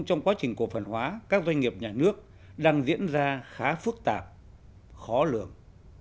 trong quá trình cổ phần hóa các doanh nghiệp nhà nước đang diễn ra khá phức tạp khó lường